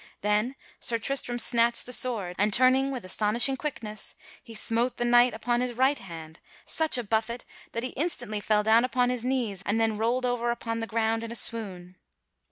Then Sir Tristram snatched the sword and, turning with astonishing quickness, he smote the knight upon his right hand such a buffet that he instantly fell down upon his knees and then rolled over upon the ground in a swoon.